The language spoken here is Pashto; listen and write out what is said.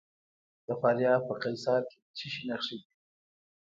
د فاریاب په قیصار کې د څه شي نښې دي؟